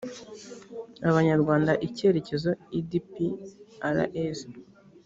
abanyarwanda icyerekezo edprs